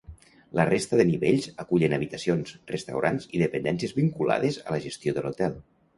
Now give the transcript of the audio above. La resta de nivells acullen habitacions, restaurants i dependències vinculades a la gestió de l'hotel.